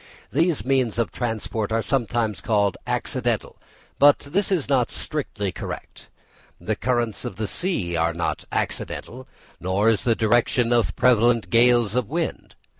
These means of transport are sometimes called accidental, but this is not strictly correct: the currents of the sea are not accidental, nor is the direction of prevalent gales of wind.